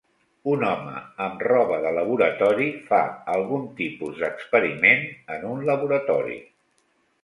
Un home amb roba de laboratori fa algun tipus d'experiment en un laboratori.